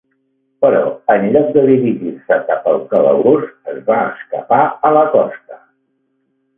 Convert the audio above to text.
Però en lloc de dirigir-se cap al calabós, es va escapar a la costa.